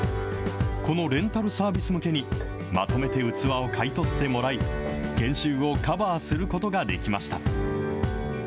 このレンタルサービス向けにまとめて器を買い取ってもらい、減収をカバーすることができました。